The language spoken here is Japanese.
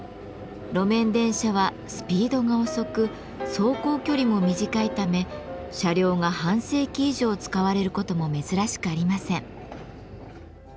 路面電車はスピードが遅く走行距離も短いため車両が半世紀以上使われることも珍しくありません。